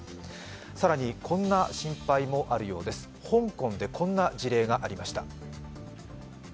更にこんな心配もあるようです、香港でこんな事例がありました。